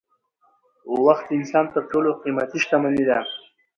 وخت د انسان تر ټولو قیمتي شتمني ده